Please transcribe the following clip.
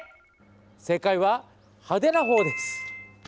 正解は、派手な方です。